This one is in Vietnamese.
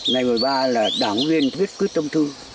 ngày một mươi ba là đảng viên quyết quyết tâm thư